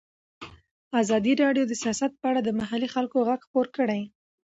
ازادي راډیو د سیاست په اړه د محلي خلکو غږ خپور کړی.